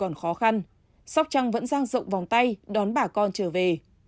trong khi đó khó khăn sóc trang vẫn giang rộng vòng tay đón bà con trở về